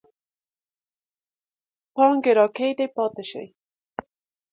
پانګې راکدې پاتې شي.